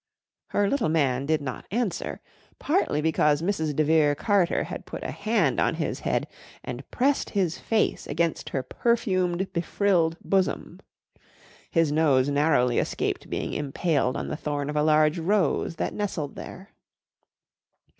Her little man did not answer, partly because Mrs. de Vere Carter had put a hand on his head and pressed his face against her perfumed, befrilled bosom. His nose narrowly escaped being impaled on the thorn of a large rose that nestled there.